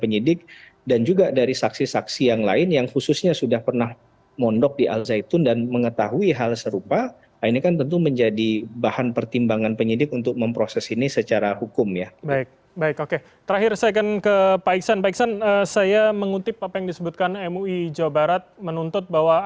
ya jadi ini juga sudah jadi bahan diskursus bersama